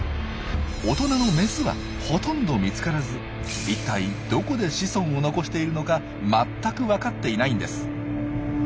大人のメスはほとんど見つからずいったいどこで子孫を残しているのか全く分かっていないんです。